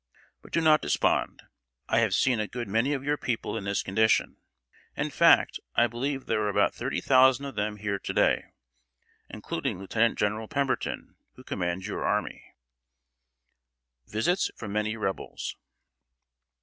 But do not despond; I have seen a good many of your people in this condition. In fact, I believe there are about thirty thousand of them here to day, including Lieutenant General Pemberton, who commands your army." [Sidenote: VISITS FROM MANY REBELS.